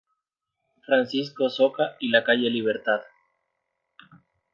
Francisco Soca y la calle Libertad.